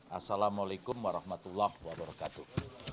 assalamu'alaikum warahmatullahi wabarakatuh